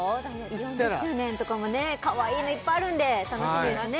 ４０周年とかもねかわいいのいっぱいあるので楽しみですね